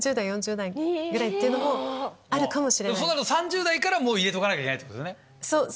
でもそうなると３０代から入れとかなきゃいけないですね。